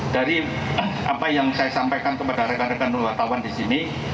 dari apa yang saya sampaikan kepada rekan rekan wartawan di sini